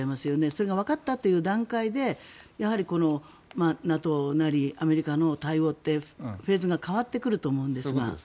それがわかったという段階でＮＡＴＯなりアメリカの対応ってフェーズが変わってくると思うんですが。